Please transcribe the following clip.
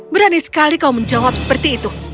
berani sekali kau menjawab seperti itu